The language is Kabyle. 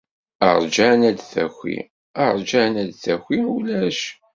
Rğan ad d-taki, rğan ad d-taki, ulac.